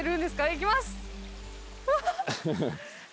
行きます。